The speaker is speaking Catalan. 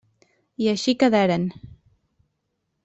I així quedaren.